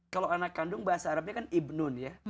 kalau anak kandung bahasa arabnya kan ibnun ya